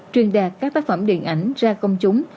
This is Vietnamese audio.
truyền đạt các tác phẩm điện ảnh ra công chúng